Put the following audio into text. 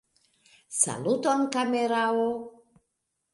Saluton kamerao!